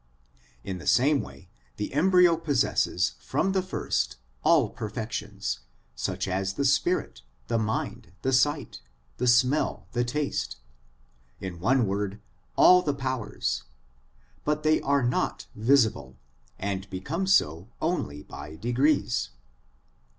In the same way, the embryo possesses from the first all perfections, such as the spirit, the inind, the sight, the smell, the taste in one word, all the powers but they are not visible, and become so only by degrees.